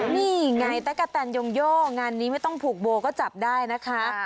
นี่ไงตะกะแตนยงโยงานนี้ไม่ต้องผูกโบก็จับได้นะคะ